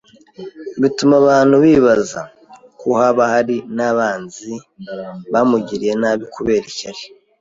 bituma abantu bibaza ko haba hari n'abanzi bamugiriye nabi kubera ishyari.